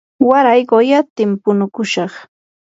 waray quyatim punukushaq.